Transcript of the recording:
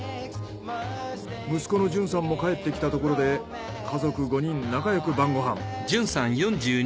息子の純さんも帰ってきたところで家族５人仲よく晩ご飯。